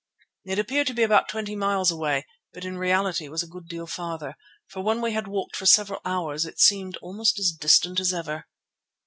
It appeared to be about twenty miles away, but in reality was a good deal farther, for when we had walked for several hours it seemed almost as distant as ever.